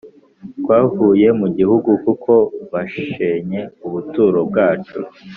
Twavuye mu gihugu kuko bashenye ubuturo bwacu